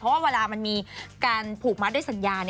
เพราะว่าเวลามันมีการผูกมัดด้วยสัญญา